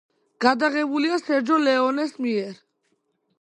გადაღებულია სერჯო ლეონეს მიერ.